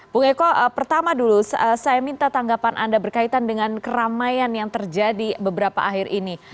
bung eko pertama dulu saya minta tanggapan anda berkaitan dengan keramaian yang terjadi beberapa akhir ini